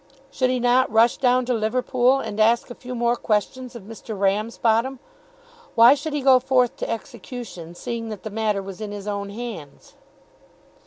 Should he not rush down to Liverpool, and ask a few more questions of Mr. Ramsbottom? Why should he go forth to execution, seeing that the matter was in his own hands?